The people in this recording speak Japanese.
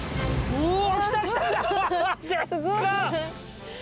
うわ！